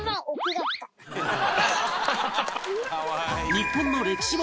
日本の歴史本